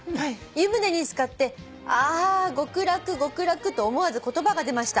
湯船に漬かってあ極楽極楽と思わず言葉が出ました」